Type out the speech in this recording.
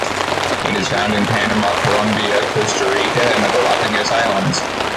It is found in Panama, Colombia, Costa Rica, and the Galapagos Islands.